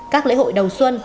các lễ hội đầu xuân